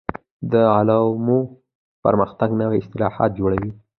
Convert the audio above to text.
د علومو پرمختګ نوي اصطلاحات جوړوي.